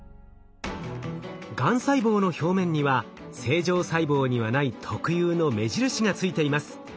がん細胞の表面には正常細胞にはない特有の目印がついています。